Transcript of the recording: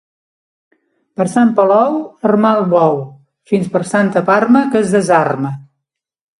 Per Sant Palou, a armar el bou, fins per Santa Parma que es desarma.